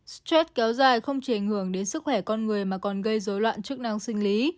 stress kéo dài không chỉ ảnh hưởng đến sức khỏe con người mà còn gây dối loạn chức năng sinh lý